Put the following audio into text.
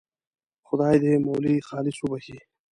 خدای دې مولوي خالص وبخښي.